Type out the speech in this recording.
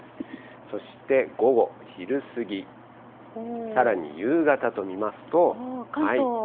そして午後、昼過ぎ、さらに夕方と見ますと。